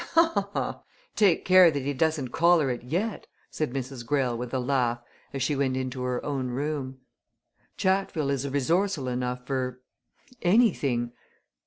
"Take care that he doesn't collar it yet," said Mrs. Greyle with a laugh as she went into her own room. "Chatfield is resourceful enough for anything.